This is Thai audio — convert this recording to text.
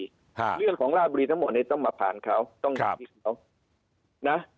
เรื่องของราชบุรีทั้งหมดต้องมาผ่านเขา